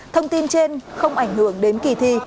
thông tin trên không ảnh hưởng đến kỳ thi